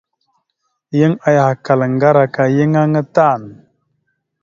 Yan ayakal ŋgar aka yan aŋa tan.